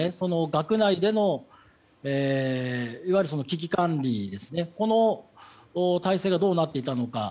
学内でのいわゆる危機管理この体制がどうなっていたのか。